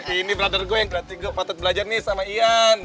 ini brother gue yang kreatif gue patut belajar nih sama ian